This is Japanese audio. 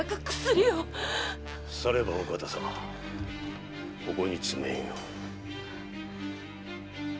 さればお方様ここに爪印を。